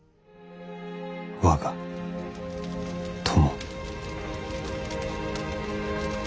我が友。